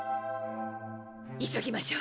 急ぎましょう！